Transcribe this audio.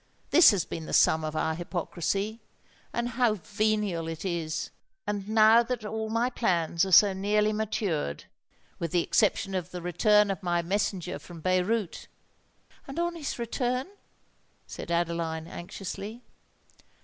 This has been the sum of our hypocrisy;—and how venial it is! And now that all my plans are so nearly matured—with the exception of the return of my messenger from Beyrout——" "And on his return?" said Adeline, anxiously.